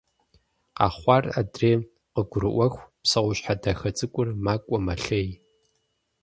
Къэхъуар адрейм къыгурыIуэху, псэущхьэ дахэ цIыкIур макIуэ-мэлъей.